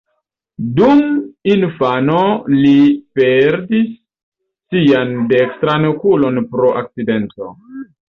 Dum infano li perdis sian dekstran okulon pro akcidento.